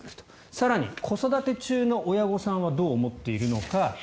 更に、子育て中の親御さんはどう思っているのか。